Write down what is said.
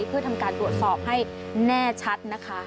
เพื่อทำการตรวจสอบให้แน่ชัดนะคะ